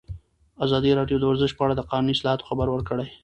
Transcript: ازادي راډیو د ورزش په اړه د قانوني اصلاحاتو خبر ورکړی.